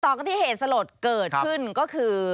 กันที่เหตุสลดเกิดขึ้นก็คือ